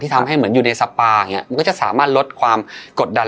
ทำให้เหมือนอยู่ในสปาอย่างนี้มันก็จะสามารถลดความกดดัน